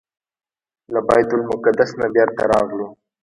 له بیت المقدس نه بیرته راغلو.